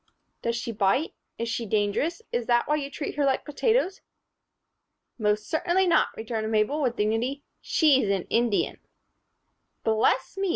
"Does she bite? Is she dangerous? Is that why you treat her like potatoes?" "Most certainly not," returned Mabel, with dignity. "She's an Indian." "Bless me!"